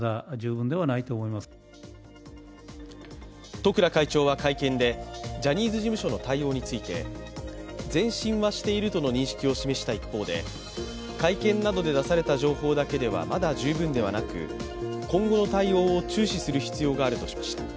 十倉会長は会見で、ジャニーズ事務所の対応について前進はしているとの認識を示した一方で会見などで出された情報だけではまだ十分ではなく、今後の対応を注視する必要があるとしました。